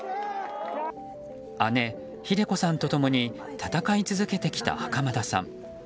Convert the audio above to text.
姉・ひで子さんと共に闘い続けてきた袴田さん。